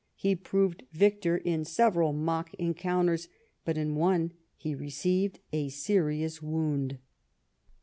He proved victor in several mock encounters, but in one he received a serious wound.